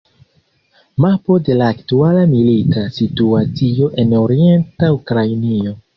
Mapo de la aktuala milita situacio en orienta Ukrainio.